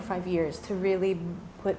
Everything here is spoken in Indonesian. tahun untuk benar benar menurunkan